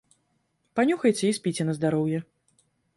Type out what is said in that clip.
Панюхайце і спіце на здароўе.